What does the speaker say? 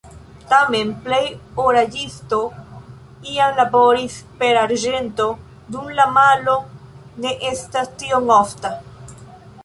Tamen plej oraĵisto iam laboris per arĝento dum la malo ne estas tiom ofta.